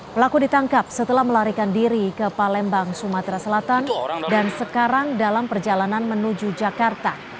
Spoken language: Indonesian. pelaku ditangkap setelah melarikan diri ke palembang sumatera selatan dan sekarang dalam perjalanan menuju jakarta